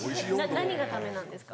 何がダメなんですか？